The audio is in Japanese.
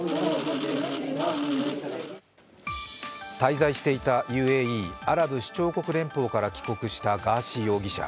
滞在していたＵＡＥ＝アラブ首長国連邦から帰国したガーシー容疑者。